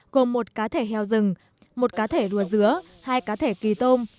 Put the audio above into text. gồm một cá thể heo rừng một cá thể rùa dứa hai cá thể kỳ tôm